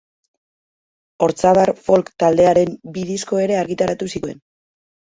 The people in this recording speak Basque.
Ortzadar folk taldearen bi disko ere argitaratu zituen.